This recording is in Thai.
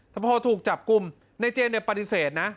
แต่พอถูกจับกุมในเจมส์เนี่ยปฏิเสธนะ